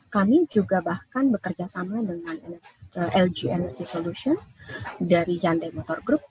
kami juga bahkan bekerjasama dengan lg energy solutions dari hyundai motor group